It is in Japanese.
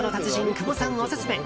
久保さんオススメ！